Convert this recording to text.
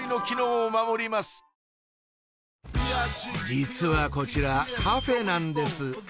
実はこちらカフェなんです